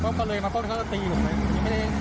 มาบ้านเขาก็ตีอยู่ไม๊ไม่ได้